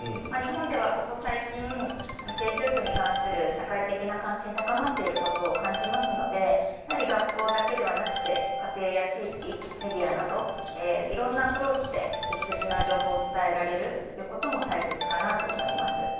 日本では、ここ最近性教育に関する社会的な関心が高まっていることを感じますのでやはり学校だけではなくて家庭や地域、メディアなどいろんなアプローチで適切な情報を伝えられることも大切かなと思います。